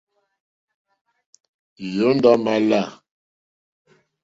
Yɔ́ndɔ̀ é mà lɔ̌.